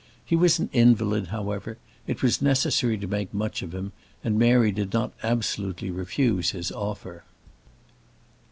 He was an invalid, however; it was necessary to make much of him, and Mary did not absolutely refuse his offer.